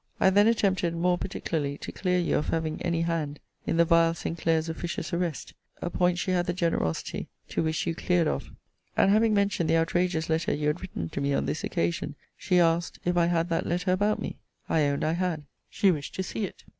I then attempted more particularly to clear you of having any hand in the vile Sinclair's officious arrest; a point she had the generosity to wish you cleared of: and, having mentioned the outrageous letter you had written to me on this occasion, she asked, If I had that letter about me? I owned I had. She wished to see it.